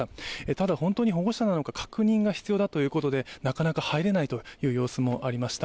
ただ本当に保護者か確認が必要だということでなかなか入れないという様子もありました。